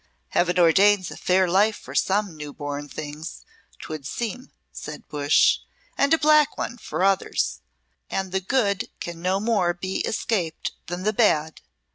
"Heaven ordains a fair life for some new born things, 'twould seem," said Bush, "and a black one for others; and the good can no more be escaped than the bad.